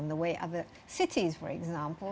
mereka membuat kota yang indah